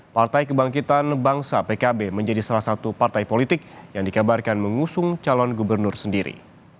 partai kebangkitan bangsa pkb menjadi salah satu partai politik yang dikabarkan mengusung calon gubernur sendiri